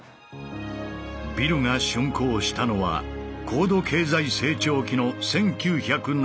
ビルが竣工したのは高度経済成長期の１９７０年。